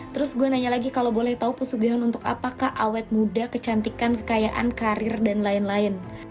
terus gue nanya lagi kalau boleh tahu pesugihan untuk apakah awet muda kecantikan kekayaan karir dan lain lain